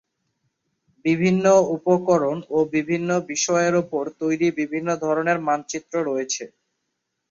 বিভিন্ন উপকরণ এবং বিভিন্ন বিষয়ের উপর তৈরি বিভিন্ন ধরনের মানচিত্র রয়েছে।